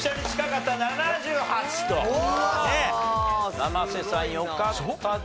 生瀬さんよかったですね。